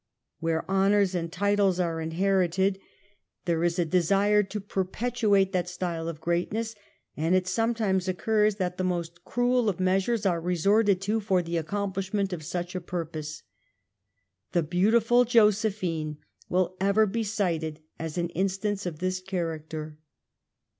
Where honors and titles are inherited there is a BARRENNESS. 69 desire to perpetuate that style of greatness, and it sometimes occurs that the most cruel of measures are resorted to for the accomplishment of such a purpose. The beautiful Josephine will ever be cited as an in stance of this character.